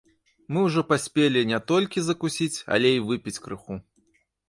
Мы ўжо паспелі не толькі закусіць, але й выпіць крыху.